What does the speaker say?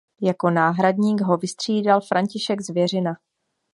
Jako náhradník ho vystřídal František Zvěřina.